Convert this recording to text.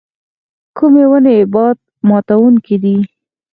کومې ونې باد ماتوونکي دي؟